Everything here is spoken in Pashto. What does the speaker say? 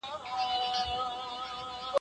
زه هره ورځ د ښوونځي کتابونه مطالعه کوم!.